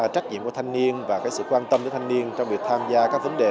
trách nhiệm của thanh niên và sự quan tâm của thanh niên trong việc tham gia các vấn đề